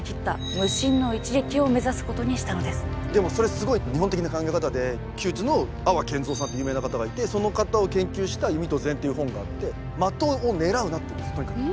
でもそれすごい日本的な考え方で弓術の阿波研造さんって有名な方がいてその方を研究した「弓と禅」という本があって的を狙うなっていうんですとにかく。